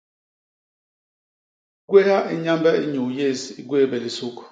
Gwéha i Nyambe inyuu yés i gwéé béé lisuk.